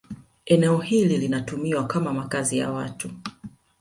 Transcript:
Eneo hili linatumiwa kama makazi ya watu